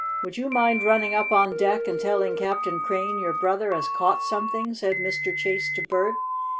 Would you mind running up on deck and telling Captain Crane your brother has caught something," said Mr. Chase to Bert.